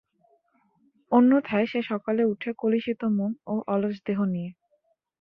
অন্যথায় সে সকালে ওঠে কলুষিত মন ও অলস দেহ নিয়ে।